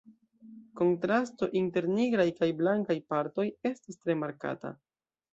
Kontrasto inter nigraj kaj blankaj partoj estas tre markata.